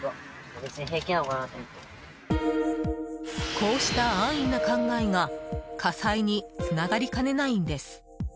こうした安易な考えが火災につながりかねないんです。